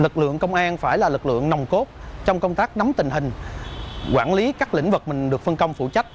chúng ta không phải là lực lượng nồng cốt trong công tác nắm tình hình quản lý các lĩnh vực mình được phân công phụ trách